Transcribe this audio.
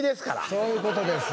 そういうことです。